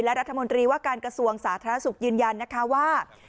และรัฐมนตรีว่าการกระทรวงสาธารณสุขยืนยันนะคะว่า